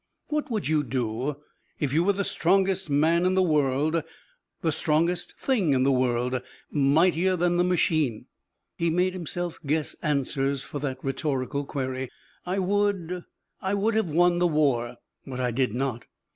What would you do if you were the strongest man in the world, the strongest thing in the world, mightier than the machine? He made himself guess answers for that rhetorical query. "I would I would have won the war. But I did not.